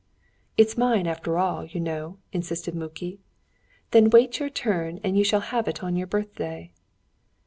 "It's mine, after all, you know," insisted Muki. "Then wait your turn, and you shall have it on your birthday."